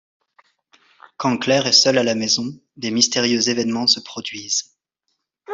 Quand Claire est seule à la maison, des mystérieux événements se produisent.